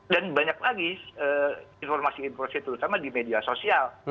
dan banyak lagi informasi informasi terutama di media sosial